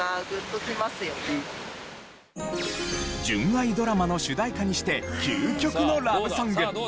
純愛ドラマの主題歌にして究極のラブソング。